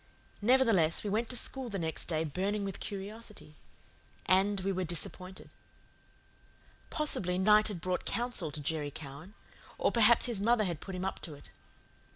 Nevertheless, we went to school the next day burning with curiosity. And we were disappointed. Possibly night had brought counsel to Jerry Cowan; or perhaps his mother had put him up to it.